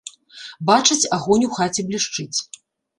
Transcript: Бачаць, агонь у хаце блішчыць.